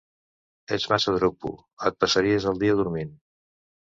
Ets massa dropo: et passaries el dia dormint!